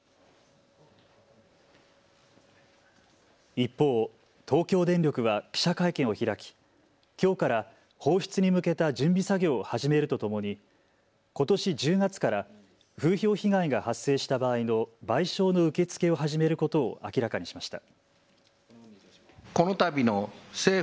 一方、東京電力は記者会見を開ききょうから放出に向けた準備作業を始めるとともにことし１０月から風評被害が発生した場合の賠償の受け付けを始めることを明らかにしました。